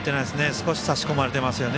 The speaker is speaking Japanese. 少し差し込まれていますよね